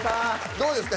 どうですか。